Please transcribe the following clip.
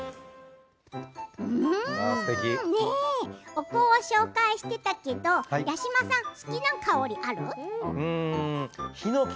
お香を紹介していたけど八嶋さん、好きな香りがある？